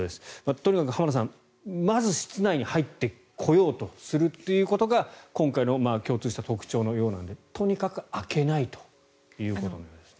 とにかく浜田さん、まず室内に入ってこようとするということが今回の共通した特徴のようなのでとにかく開けないということのようですね。